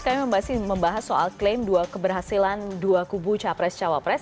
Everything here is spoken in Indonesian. kami membahas soal klaim keberhasilan dua kubu capres cawapres